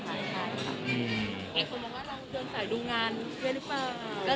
หลายคนบอกว่าเราเดินสายดูงานด้วยหรือเปล่า